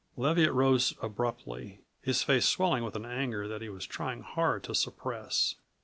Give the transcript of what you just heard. Leviatt rose abruptly, his face swelling with an anger that he was trying hard to suppress.